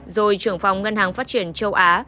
rồi trưởng phòng ngân hàng phát triển châu á